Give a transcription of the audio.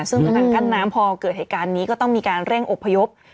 ซึ่งเป็นทางกั้นน้ำพอเกิดอย่างนี้ก็ต้องมีการเร่งอบพยพ